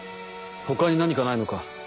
他に何かないのか？